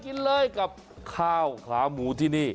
กินเลยกับข้าวขาหมูที่นี่